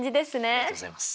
ありがとうございます。